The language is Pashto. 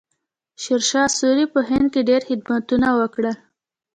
شیرشاه سوري په هند کې ډېر خدمتونه وکړل.